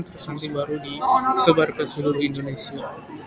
terus mungkin baru disebar ke seluruh indonesia